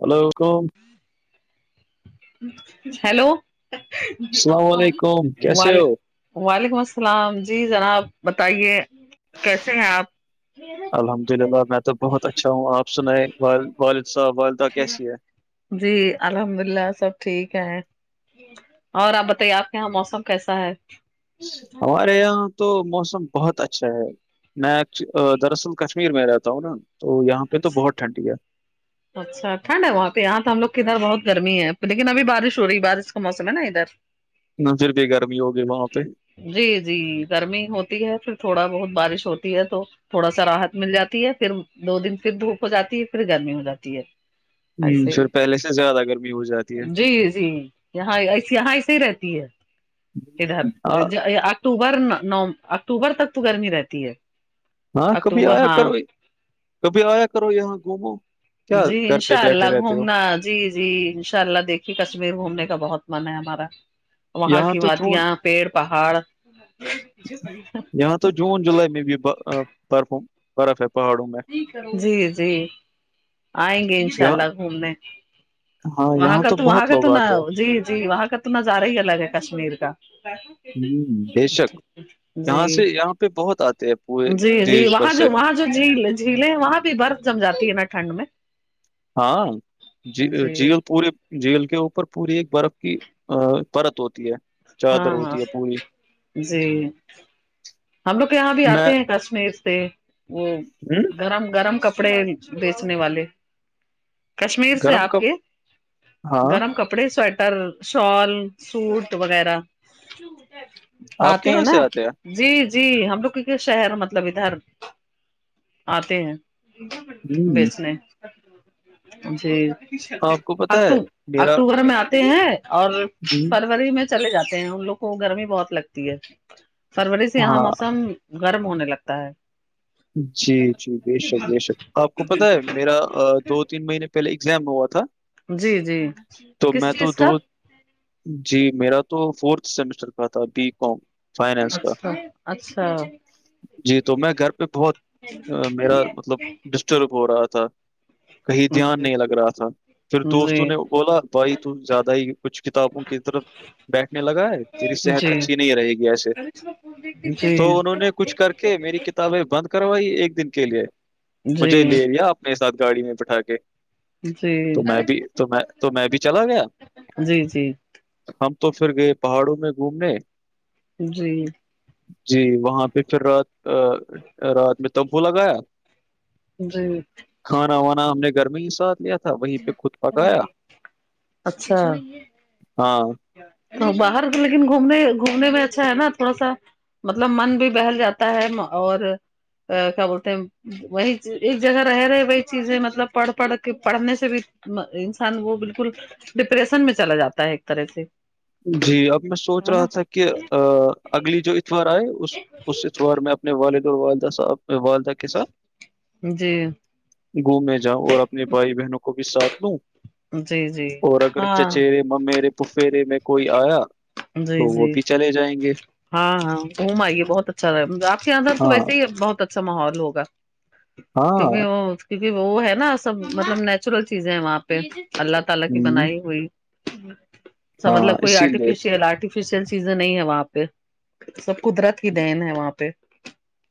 hello کوم hello جی آپ السلام کون علیکم کیسے ولے ہو وعلیکم السلام جی جناب بتائیے کیسے ہیں آپ الحمد للہ میں تو بہت اچھا ہوں آپ سناے والد صاحب والدہ کیسی ہے جی الحمد اللہ سب ٹھیک ہے اور آپ بتائیے آپ کے یہاں موسم کیسا ہے ہمارے یہاں تو موسم بہت اچھا ہے میں دراصل کشمیر میں رہتا ہوں نا تو یہاں پے تو بہت ٹھنڈی ہے اچھا ٹنڈ ہے وہاں پے یہاں تو ہم لوگ ادھر بہت گرمی ہے لیکن اب بارش ہو رہی بارش کا موسم ہے نا ادھر نا [unintelligible] گرمی ہوگی وہاں پے جی جی گرمی ہوتی ہے پھر تھوڑا بہت بارش ہوتی ہے تو تھوڑا سا راحت مل جاتی ہے پھر دو دن پھر دھوپ ہو جاتی ہے پھر گرمی ہو جاتی ہے ہم، ایسے ہی پھر پہلے سے زیادہ گرمی ہو جاتی ہے جی جی یہاں ایسے یہاں ایسے ہی رہتی ہے ادھر ہم، ہاں اکتوبر نوم اکتوبر تک تو گرمی رہتی ہے ہاں کبھی اکتوبر آیا ہاں کرو کبھی آیا کرو یہاں گھومو کیا جی گھر پہ انشاء بیٹھے اللہ رہتے ہو گھومنا جی جی ان شاء اللہ دیکھیے کشمیر گھومنے کا بہت من ہے ہمارا وہاں یہاں کی تو جون وادیاں پیڑ پہاڑ یہاں تو جون جولائی میں بھی برفوں برف ہے پہاڑوں میں جی جی آئیں گے انشاء یہاں اللہ گھومنے ہاں وہاں یہاں کا تو وہاں بہت کا تو لوگ نہ آتے ہیں جی جی وہاں کا تو نظارا ہی الگ ہے کشمیر کا ہمم بے شک یہاں جی سے یہاں پے بہت آتے پورے جی جی دیش بھر وہاں سے جو وہاں جو جھیل جھیلیں ہیں وہاں بھی برف جم جاتی ہے نا ٹھنڈ میں ہاں ج جی جیل پورے جھیل کے اوپر پوری ایک برف کی ا پرت ہوتی ہے ہاں چادر ہاں ہوتی ہے پوری جی ہم لوگ یہاں بھی آتے ہیں کشمیر سے وہ ہمم گرم گرم کپڑے بیچنے والے کشمیر سے گرم آپ کب کے ہاں گرم کپڑے سویٹر شال سوٹ وغیرہ آپ کے آتے ہیں یہاں سے نا جی جی ہم لوگ کی شہر مطلب ادھر آتے ہیں ہوں، بیچنے جی آپ کو پتا ہے اکو میرا اکتوبر میں آتے ہیں اور ہوں، فروری میں چلے جاتے ہیں ان لوگ کو گرمی بہت لگتی ہے فروری سے یہاں ہاں موسم گرم ہونے لگتا ہے جی جی بے شک بے شک آپ کو پتہ ہے میرا دو تین مہینے پہلے ایگزام ہوا تھا جی جی تو کس میں تو چیز کا دو جی میرا تو فورتھ سیمسٹر کا تھا بی کام فائننس کا اچھا اچھا جی تو میں گھر پہ بہت میرا مطلب ڈسٹرب ہو رہا تھا کہیں دھیان نہیں لگ رہا تھا پھر جی دوستوں نے بولا بائی تو زیادہ ہی کچھ کتابوں کی طرف بیٹھنے لگا ہے تیری صحت اچھی نہیں رہے گی ایسے مجھے تو انہوں نے کچھ کر کے میری ک تب بند کروائی ایک دن کے لیے مجھے لے لیا اپنے ساتھ گاڑی میں بٹھا کے جی تو میں بھی تو میں تو میں بھی چلا گیا جی ہم تو پھر گئے پہاڑوں میں گھومنے جی جی وہاں پہ پھر رات رات میں تمپو لگایا جی کھانا وانا ہم نے گرمی ہی ساتھ لیا تھا وہیں پہ خود پکایا اچھا ہاں تو باہر لیکن گھومنے گھومنے میں اچھا ہے نا تھوڑا سا مطلب من بھی بہل جاتا ہے اور کیا بولتے ہیں وہی ایک جگہ رہ رہے وہی چیزیں مطلب پڑھ پڑھ کے پڑھنے سے بھی انسان وہ بالکل ڈپریشن میں چلا جاتا ہے ایک طرح سے جی اب میں سوچ ہے نا رہا تھا کہ اگلی جو اتوار آئے اس اس اتوار میں اپنے والید والدہ صاحبنے والدہ کے ساتھ جی گھومنے جاؤں اور اپنے بھائی بہنوں کو بھی ساتھ لوں جی جی اور اگر ہاں چچیرے ممیرے پفیرے میں کوئی آیا جی تو وہ جی بھی چلے جائیں گے ہاں ہاں گھوم آئیے بہت اچھا رہ آپ کے یہدھر تو ہاں ویسے ہی بہت اچھا ماحول ہوا ہاں توکھر وہ کیونکہ وہ ہے نا سب مطلب نیچرل چیزیں ہے وہاں پہ اللہ تعالی کی ہم، بنائی ہوئی س ہاں مطلب کوئی اسی آرٹیف لیے یہ آرٹیفیشل چیزیں نہیں ہے وہاں پہ سب قدرت کی دین ہے وہاں پہ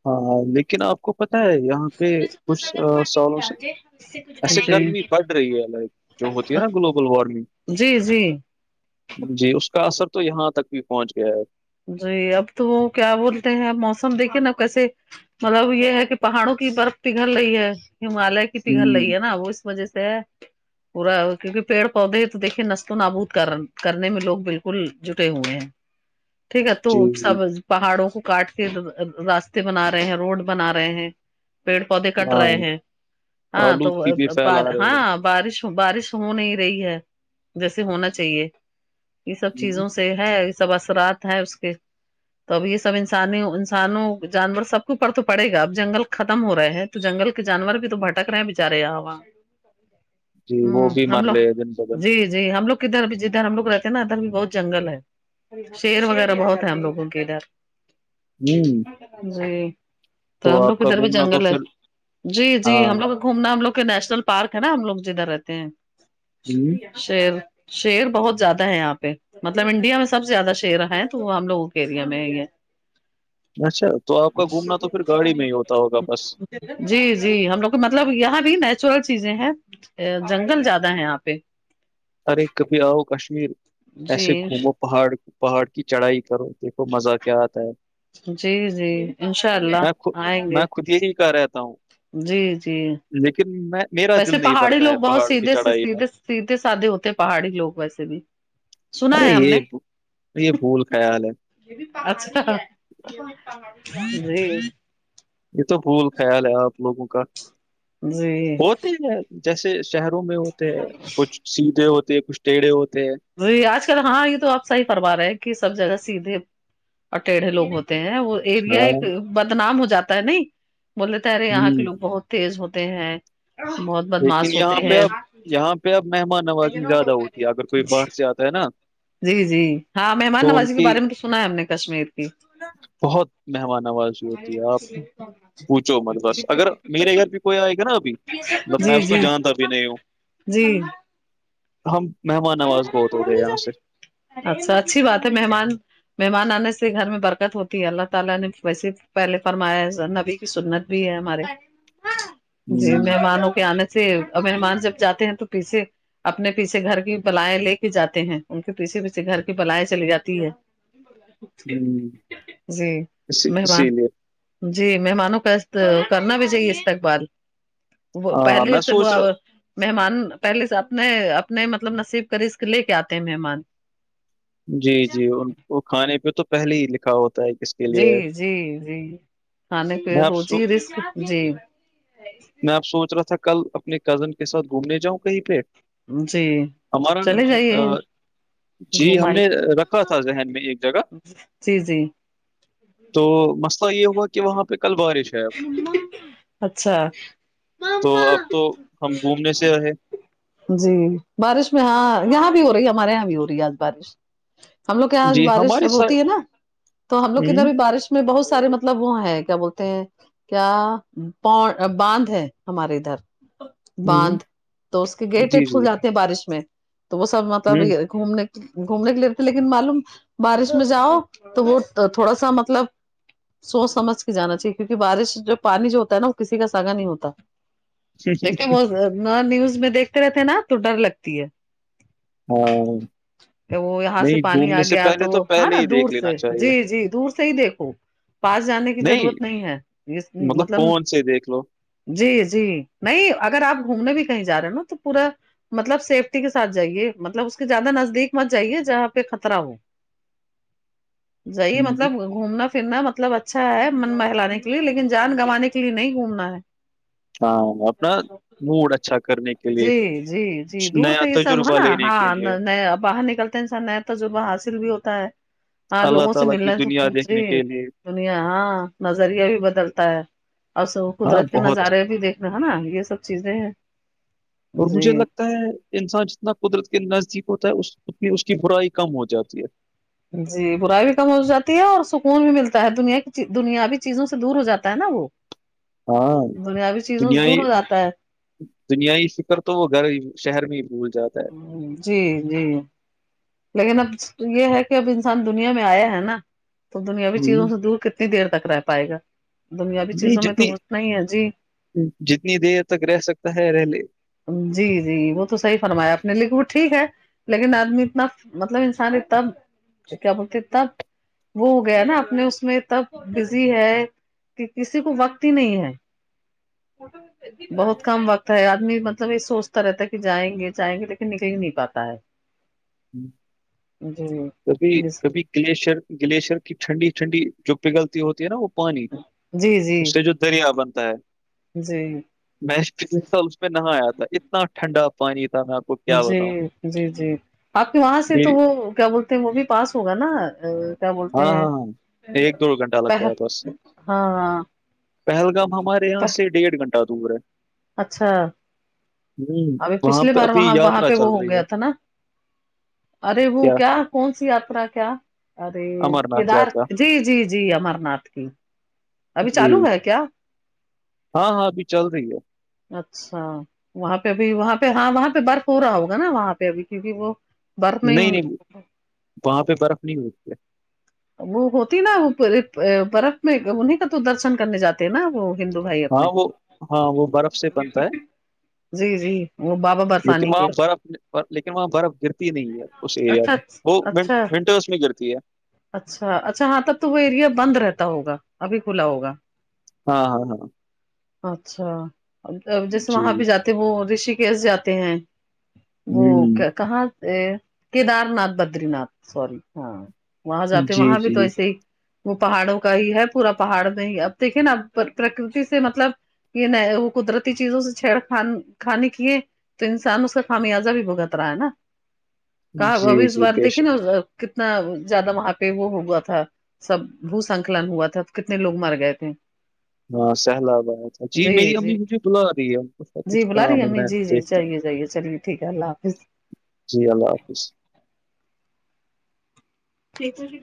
ہاں لیکن آپ کو پتا ہے یہاں پہ کچھ آ سالوں سے ایسے گرمی بڑھ رہی ہے لائک جو ہوتی ہے ناں گلوبل وارمنگ جی جی جی اس کا اثر تو یہاں تک بھی پہنچ گیا ہے جی اب تو کیا بولتے ہیں موسم دیکھیے ناں کیسے مطلب یہ ہے کہ پہاڑوں کی برف پگھل رہی ہے ہمالیہ کی پگھل ہوں، رہی ہے ناں وہ اس مزے سے ہے پورا کیونکہ پیڑ پودے تو دیکھے نست و نابود کر کرنے میں لوگ بالکل جٹے ہوئے ہیں ٹھیک ہے تو جی جی سبز پہاڑوں کو کاٹ کے راستے بنا رہے ہیں روڈ بنا رہے ہیں پیڑ پودے کٹ ہاں رہے ہیں ہاں تو آلودگی بھی بار پھیلا رہے ہیں ہاں بارش بارش ہو نہیں رہی ہے جیسے ہونا چاہیے یہ سب ہوں، چیزوں سے ہے یہ سب اثرات ہے اس کے تو اب یہ سب انسانی انسانوں جانور سب کو اوپر تو پڑے گا اب جنگل ختم ہو رہے ہے تو جنگل کے جانور بھی تو بھٹک رہے ہیں بےچارے یہاں وہاں جی وہ ہوں بھی مر ہملہ رہے ہیں دن بدن جی جی ہم لوگ کدھر ابھی جدھر ہم لوگ رہتے ناں ادھر بھی بہت جنگل ہے شیر وغیرہ بہت ہے ہم لوگوں کے ادھر نیو جی تو ہم لوگ کے ادھر بھی گھومنا تو جنگل ہے پھر جی جی ہاں ہم لوگ گھومنا ہم لوگ کے نیشنل پارک ہے ناں ہم لوگ جدھر رہتے ہیں ہوں، شیر شیر بہت زیادہ ہے یہاں پہ مطلب انڈیا میں سب سے زیادہ شیر تیرہ ہیں تو وہ ہم لوگوں کے ایریا میں ہے اچھا تو آپ کا گھومنا تو پھر گاڑی میں ہی ہوتا ہوگا بس جی جی ہم لوگ کو مطلب یہاں بھی نیچرل چیزیں ہیں جنگل زیادہ ہے یہاں پہ ارے کبھی آؤ کشمیر جی ایسے گھومو پہاڑ پہاڑ کی چڑھائی کرو دیکھو مزہ کیا آتا ہے جی جی انشاء اللہ میں خود آئیں گے میں خود یہی کا رہتا ہوں جی جی لیکن میں میرا دل ویسے نہیں پہاڑی بڑتا ہے لوگ بہت پہاڑوں کی سیدھے سے چڑھائی میں سیدھے سیدھے سادے ہوتے ہیں پہاڑی لوگ ویسے بھی سنا ارے ہے ہم یہ نے یہ بھول خیال ہے اچھا جی یہ تو بھول خیال ہے آپ لوگوں کا جی ٹیڑے جیسے شہروں میں ہوتے ہیں کچھ سیدھے ہوتے ہیں کچھ ٹیڑھے ہوتے ہیں جی آج کل ہاں یہ تو آپ صحیح فرما رہے ہیں کہ سب جگہ سیدھے اور ٹیڑھے لوگ ہو تے ہیں وہ ایریا ہاں ایک ہوں بدنام ہو جاتا ہے نہیں بولے ترے یہاں کے لوگ بہت تیز ہوتے ہیں بہت لیکن بدماش ہوتے یہاں پہ ہیں اب یہاں پہ اب مہمان نوازی زیادہ ہوتی ہے اگر کوئی باہر سے آتا ہے ناں جی جی ہاں مہمان نوازی کے بارے میں تو سنا ہے ہم نے کشمیر کی بہت مہمان نوازی ہوتی ہے آپ پوچھو مت بس اگر میرے گھر بھی کوئی آئے گا ناں ابھی مطلب میں جی اس کو جی جانتا بھی نہیں ہوں جی مہمان نواز بہت ہوتے یہاں سے اچھا اچھی بات ہے مہمان مہمان آنے سے گھر میں برکت ہوتی ہے اللہ تعالی نے ویسے پہلے فرمایا نبی کی سنت بھی ہے ہمارے [inaudible] جی مہمانوں کے آنے سے مہمان جب جاتے ہیں تو پیچھے اپنے پیچھے گھر کی بلائیں لے کے جاتے ہیں ان کے پیچھے پیچھے گھر کی بلائیں چلی جاتی ہے ہوں جی اسی مہمان اسی لیے جی مہمانوں کا کرنا بھی چاہیے استقبال وہ ہاں پہلے میں سے سوچ ہوا رہا مہمان پہلے سے اپنے اپنے مطلب نصیب کا رزاق لے کے آتے ہیں مہمان جی جی وہ کھانے پہ تو پہلے ہی لکھا ہوتا ہے کس کے جی لیے ہے جی جی کھانے پہ میں آپ روزی سو رزق میں آب سوچ رہا تھا کل اپنے کزن کے ساتھ گھومنے جاؤں کہیں پہ جی ہمارا چلے جائیے آ یہ گھوم ہم نے آئیے رکھا تھا ذہن میں ایک جگہ جی جی تو مسئلہ یہ ہوا کہ وہاں پہ کل بارش ہے اب ہما اچھا تو مما اب تو ہم گھومنے سے رہے جی بارش میں ہاں یہاں بھی ہو رہی ہے ہمارے یہاں بھی ہو رہی ہے آج بارش ہم لوگ کے یہاں جی بارش ہمارے ساتھ ہوتی ہے نہ تو ہم لوگ ادھر ہوں بھی بارش یہ بہت سارے مطلب وہ ہے کیا بولتے ہیں کیا باندھ ہے ہمارے ادھر ہوں باندھ تو اس کے گیٹ جی ویٹ جی کھول جاتے ہیں بارش میں تو وہ سب مطلب ہوں یہ گھومنے گھومنے کے لیے تھے لیکن معلوم بارش میں جاؤ تو وہ تھوڑا سا مطلب سوچ سمجھ کے جانا چاہیے کیونکہ بارش جو پانی جو ہوتا ہے نہ وہ کسی کا ساگا نہیں ہوتا دیکھیے بہت وارننگس میں دیکھتے رہتے ہیں نا تو ڈر لگتی ہے ہاں وہ یہاں سے نہیں پانی آ گھومنے سے گیا پہلے تو وہ تھا پہلے نہ ہی دور دیکھ لینا سے چاہیے جی جی دور سے ہی دیکھو پاس جانے کی ضرورت نہیں ہے اس مطلب فون سے دیکھ لو جی جی نہیں اگر آپ گھومنے بھی کہیں جا رہے ہو تو پورا مطلب سیفٹی کے ساتھ جائیے مطلب اس کے زیادہ نزدیک مت جائیے جہاں پہ خطرہ ہو جائیے ہوں، مطلب گھومنا پھرنا مطلب اچھا ہے من لانے کے لیے لیکن جان گوانے کے لیے نہیں گھومنا ہے ہاں مطلب موڈ اچھا کرنے کے لیے جی جی جی دور نیا تو یہ سب ہے تجربہ نہ لینے کے ہاں لیے نیا باہر نکل ٹنزان نیا تجربہ حاصل بھی ہوتا ہے ہاں اللہ لوگوں سے تعالیٰ کی ملنا سے دنیا جی دیکھنے کے لیے دنیا ہاں نظریہ بھی بدلتا ہے اصل ہاں قدرت کے بہت نظارے بھی دیکھ نہ ہے نا یہ سب چیزیں ہیں اور مجھے جی لگ کے انسان جتنا قدرت کے نزدیک ہوتا ہے اس کی برائی کم ہو جاتی ہے جی برائی بھی کم ہو جاتی ہے اور سکون بھی ملتا ہے دنیا کی دنیابی چیزوں سے دور ہو جاتا ہے نا وہ ہاں بوری چیزوں سے دور ہو جاتا ہے دنیائی فکر تو وہ گھر ہی شہر بھی بھول جاتا ہے ھممم جی جی [unintelligible] یے ہے کہ اب انسان دنیا میں آیا ہے نا تو دنیاوی ہوں، چیزوں سے دور کتنی دیر تک رہ پائے گا دنیاوی نہیں چیزوں میں تو جتنی گھسنا ہی ہے جی جتنی دیر تک رہ سکتا ہے رہے لے جی جی وہ تو صحیح فرمایا اپ نے لیکن وہ ٹھیک ہے لیکن آدمی اتنا مطلب انسان ہے تب کیا بولتے تب وہ ہو گیا نہ اپنے اس میں اتنا بزی ہے کی کسی کو وقت ہی نہیں ہے بہت کم وقت ہے آدمی مط لب یے سوچتا رہتا ہے کہ جائیں گے جائیں گے لیکن نکل ہی نہیں پاتا ہے ہمم جی کبھی جی کبھی گلیشر گلیشئر کی ٹھنڈی ٹھنڈی جو پگلتی ہوتی ہے نہ وہ پانی جی اس سے جو دریا بنتا ہے جی میں [unintelligible] پے نہایا تھا اتنا ٹھنڈا پانی تھا نا جی جی جی آپ کے وہاں سے تو میری وہ کیا بولتے ہیں وہ بھی پاس ہوگا نا آ کیا بولتے ہاں ہیں ہاں ہاں ایک دو گھنٹہ پہے لگتا ہے بس ہاں ہاں پہلگام ہمارے یہاں سے ڈیڑھ گھنٹہ دور ہے اچھا ہوں ابھی وہاں پچھلے پہ بار ابھی وہاں وہاں یاترا پے وہ چل ہو رہی گیا ہے تھا نا ارے وہ کیا کون سی یاترا کیا ارے امر ناتھ کیدار یاترا جی جی جی امرناتھ کی ابھی جی چالو ہے کیا ہاں ہاں ابھی چل رہی ہے اچھا وہاں پے بھی وہاں پے ہاں وہاں پے برف ہو رہا ہوگا نا وہاں پے ابھی کیونکی وہ برف میں نہیں نہیں وہاں پے برف نہیں ہوتی ہے وہ ہوتی نا وہ برف میں انہیں کا تو درشن کرنے جاتے ہے نا وہ ہندو بھائی ہاں اپنے وہ ہاں وہ برف سے بنتا ہے جی جی وہ بابا لیکن برفانی وہاں کے برف لیکن وہاں برف گرتی نہیں ہے اس ایریا اچھا میں وہ ون اچھا ونٹرس میں گرتی ہے اچھا اچھا ہاں تب تو وہ ایریا بند رہتا ہوگا ابھی کھلا ہوگا ہاں ہاں ہاں اچھا جیسے جی وہاں پے جاتے ہیں وہ رشی کیش جاتے ہیں وہ ہوں کیا کہاں سے کیدار ناتھ بدری ناتھ سوری ہاں وہاں جاتے جی وہاں بھی تو جی ایسے ہی وہ پہاڑوں کا ہی ہے پورا پہاڑ میں ہی یے اب دیکھیے نا اب پرکرتی سے مطلب یے نئے وہ قدرتی چیزوں سے چھیڑ خان خانی کیے تو انسان اس کا خمیازہ بھی بھگت رہا ہے نا کہا جی ابھی اس جی بار بے دیکھیے شک نا کتنا زیادہ وہاں پے وہ ہوا تھا سب بھوسنکلن ہوا تھا تو کتنے لوگ مر گئے تھے ہاں سیلاب آیا تھا جی میری امی مجھے بلا رہی ہے اس کا کچھ کام ہے میں دیکھ جائیے جائیے چلیے ٹھیک ہے اللہ حافظ جی اللہ حافظ [unintelligible]